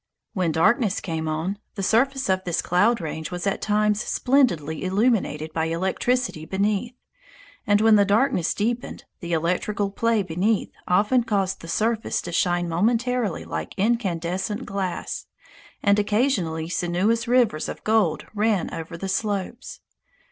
When darkness came on, the surface of this cloud range was at times splendidly illuminated by electricity beneath; and, when the darkness deepened, the electrical play beneath often caused the surface to shine momentarily like incandescent glass, and occasionally sinuous rivers of gold ran over the slopes.